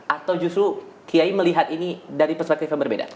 atau justru kiai melihat ini dari perspektif yang berbeda